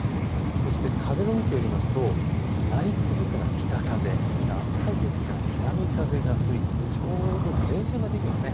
そして風の向きを入れますと内陸部から北風、そして暖かい空気、南風が吹いてちょうど前線ができるんです。